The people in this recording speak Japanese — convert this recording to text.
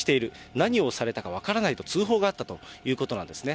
何をされたか分からないと通報があったということなんですね。